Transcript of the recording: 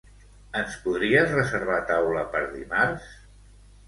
Ens podries reservar taula per dimarts?